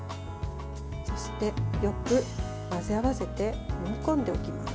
そしてよく混ぜ合わせてもみこんでおきます。